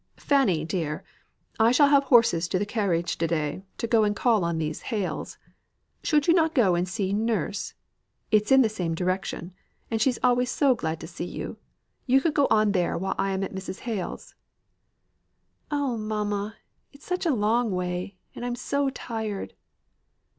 "Fanny dear! I shall have horses to the carriage to day, to go and call on these Hales. Should not you go and see nurse? It's in the same direction, and she's always so glad to see you. You could go on there while I am at Mrs. Hale's." "Oh! mamma, it's such a long way, and I am so tired."